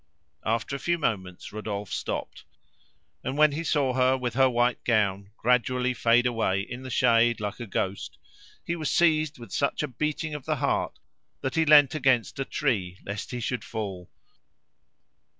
After a few moments Rodolphe stopped; and when he saw her with her white gown gradually fade away in the shade like a ghost, he was seized with such a beating of the heart that he leant against a tree lest he should fall.